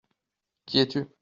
Qui es-tu ?